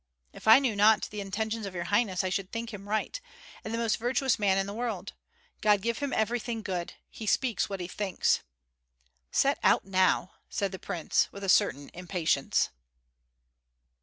"If I knew not the intentions of your highness I should think him right, and the most virtuous man in the world. God give him everything good! He speaks what he thinks." "Set out now!" said the prince, with a certain impatience.